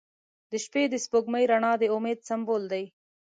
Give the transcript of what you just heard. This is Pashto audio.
• د شپې د سپوږمۍ رڼا د امید سمبول دی.